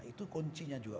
itu kuncinya juga